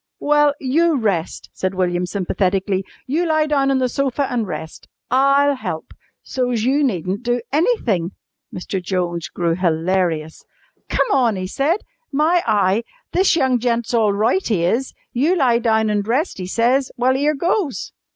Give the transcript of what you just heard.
"Well, you rest," said William sympathetically. "You lie down on the sofa an' rest. I'll help, so's you needn't do anything!" Mr. Jones grew hilarious. "Come on!" he said. "My eye! This young gent's all roight, 'e is. You lie down an' rest, 'e says! Well, 'ere goes!"